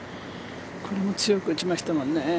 これも強く打ちましたもんね。